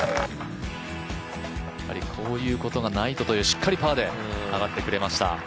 こういうことがないとということでしっかりパーで上がってくれました。